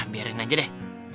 biarin aja deh